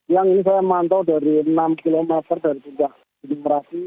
yang ini saya mantau dari enam km dari puncak gunung merapi